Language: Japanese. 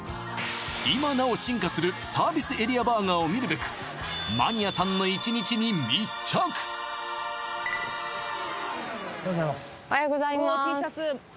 今なお進化するサービスエリアバーガーを見るべくおはようございますおはようございます